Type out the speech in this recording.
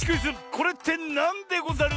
「これってなんでござる」